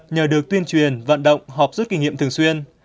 nhờ được tuyên truyền vận động họp rút kinh nghiệm thường xuyên